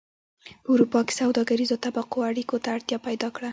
په اروپا کې سوداګریزو طبقو اړیکو ته اړتیا پیدا کړه